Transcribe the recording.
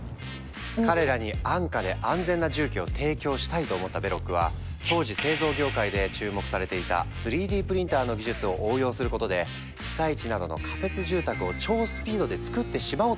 彼らに安価で安全な住居を提供したいと思ったベロックは当時製造業界で注目されていた３Ｄプリンターの技術を応用することで被災地などの仮設住宅を超スピードでつくってしまおう！とひらめいた。